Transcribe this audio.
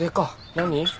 何？